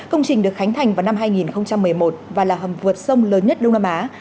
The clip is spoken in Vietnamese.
công trình được khánh thành vào năm hai nghìn một mươi một và là hầm vượt sông lớn nhất đông nam á